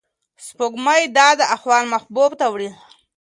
سپوږمۍ د ده احوال محبوب ته وړي.